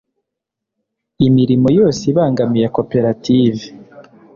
imirimo yose ibangamiye koperative